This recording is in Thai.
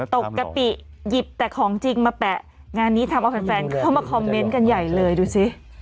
ปกติหยิบแต่ของจริงมาแปะงานนี้ทำเอาแฟนเข้ามาคอมเมนต์กันใหญ่เลยดูสิ